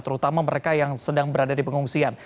terutama mereka yang sedang berada di pengungsian